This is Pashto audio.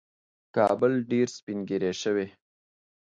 کابل ډېر سپین ږیری شوی